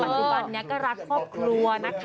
จุบันนี้ก็รักครอบครัวนะคะ